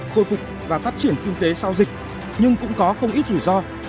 khôi phục và phát triển kinh tế sau dịch nhưng cũng có không ít rủi ro